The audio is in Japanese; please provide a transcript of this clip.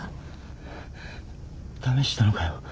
試したのかよ？